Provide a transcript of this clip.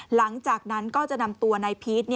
หลังจากนั้นก็จะนำตัวนายพีช